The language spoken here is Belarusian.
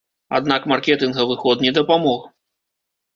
Аднак маркетынгавы ход не дапамог.